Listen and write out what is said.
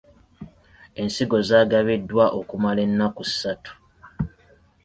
Ensigo zaagabiddwa okumala ennaku ssatu.